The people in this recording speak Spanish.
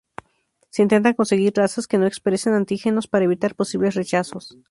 Se intentan conseguir razas que no expresen antígenos para evitar posibles rechazos.